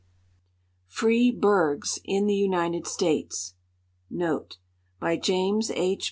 "FREE BURGHS" IN THE UNITED STATES* B}' Jamks H.